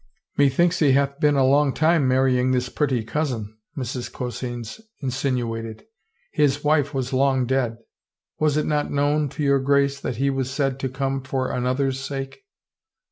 " Methinks he hath been a long time marrying this pretty cousin," Mrs. Coseyns insinuated. " His wife was long dead.*. .. Was it not known to your Grace that he was said to come for another's sake?